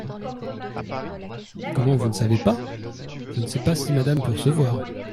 Comment, vous ne savez pas ? Je ne sais pas si madame peut recevoir.